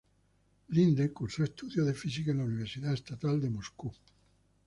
Linde cursó estudios de física en la Universidad Estatal de Moscú.